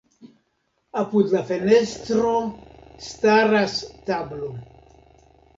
Apud la fenestro staras tablo.